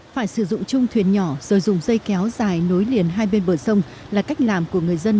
phải sử dụng chung thuyền nhỏ rồi dùng dây kéo dài nối liền hai bên bờ sông là cách làm của người dân